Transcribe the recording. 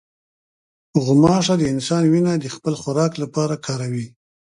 غوماشه د انسان وینه د خپل خوراک لپاره کاروي.